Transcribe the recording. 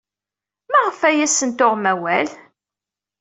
Maɣef ay asent-tuɣem awal?